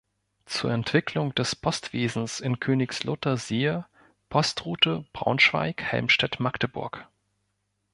Zur Entwicklung des Postwesens in Königslutter siehe: Postroute Braunschweig–Helmstedt–Magdeburg.